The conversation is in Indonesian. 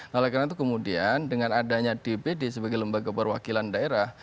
nah oleh karena itu kemudian dengan adanya dpd sebagai lembaga perwakilan daerah